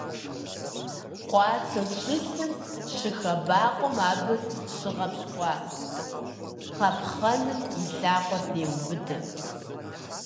Къуацэ щылъым щыхэбакъуэм, абы щыгъэпщкӀуа къапхъэным и лъакъуэр деубыдэ.